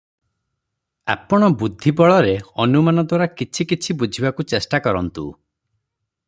ଆପଣ ବୁଦ୍ଧିବଳରେ ଅନୁମାନ ଦ୍ୱାରା କିଛି କିଛି ବୁଝିବାକୁ ଚେଷ୍ଟାକରନ୍ତୁ ।